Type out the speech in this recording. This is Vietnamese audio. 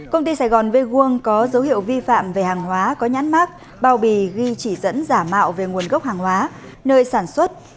công ty sài gòn veguông có dấu hiệu vi phạm về hàng hóa có nhãn mát bao bì ghi chỉ dẫn giả mạo về nguồn gốc hàng hóa nơi sản xuất